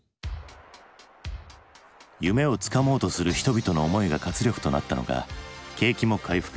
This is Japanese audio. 夢をつかもうとする人々の思いが活力となったのか景気も回復。